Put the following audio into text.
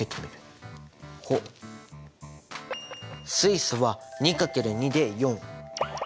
水素は２×２で４。